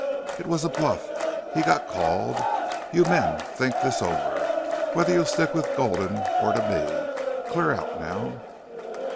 It was a bluff. He got called.... You men think this over whether you'll stick to Gulden or to me. Clear out now."